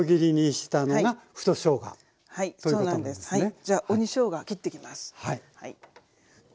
じゃあ鬼しょうが切ってきます。